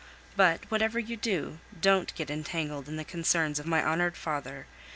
But, whatever you do, don't get entangled in the concerns of my honored father.